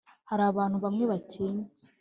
hari abantu bamwe batinya